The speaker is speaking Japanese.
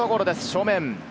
正面。